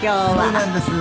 そうなんです。